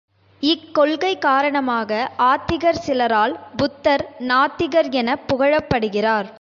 இக்கொள்கை காரணமாக ஆத்திகர் சிலரால் புத்தர் நாத்திகர் எனப் புகழப்படுகிறார்.